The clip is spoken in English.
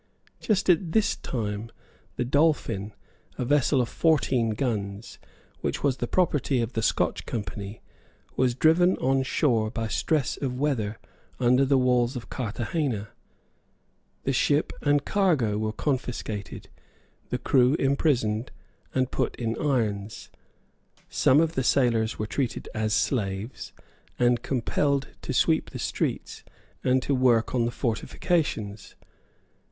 Just at this time, the Dolphin, a vessel of fourteen guns, which was the property of the Scotch Company, was driven on shore by stress of weather under the walls of Carthagena. The ship and cargo were confiscated, the crew imprisoned and put in irons. Some of the sailors were treated as slaves, and compelled to sweep the streets and to work on the fortifications.